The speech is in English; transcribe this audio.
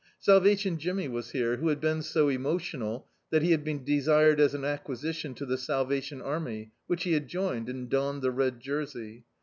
"Salvation" Jimmy was here; who had been so emotional that he had been desired as an acquisition to the Salvation Army, which he had joined, and doimed the red jersey.